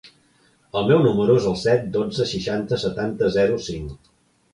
El meu número es el set, dotze, seixanta, setanta, zero, cinc.